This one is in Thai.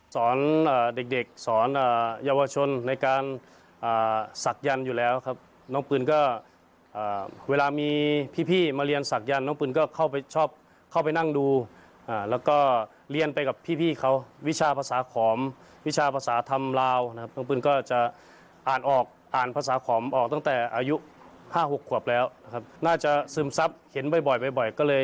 สอนเด็กสอนเยาวชนในการศักยันต์อยู่แล้วครับน้องปืนก็เวลามีพี่มาเรียนศักยันต์น้องปืนก็เข้าไปชอบเข้าไปนั่งดูแล้วก็เรียนไปกับพี่เขาวิชาภาษาขอมวิชาภาษาธรรมลาวนะครับน้องปืนก็จะอ่านออกอ่านภาษาขอมออกตั้งแต่อายุ๕๖ขวบแล้วนะครับน่าจะซึมซับเห็นบ่อยก็เลย